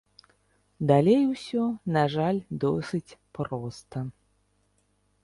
Далей усё, на жаль, досыць проста.